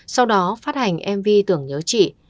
sau đó phát hành mv tưởng nhớ chị